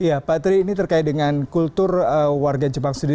ya pak tri ini terkait dengan kultur warga jepang sendiri